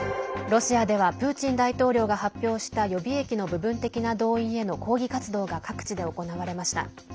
ロシアではプーチン大統領が発表した予備役の部分的な動員への抗議活動が各地で行われました。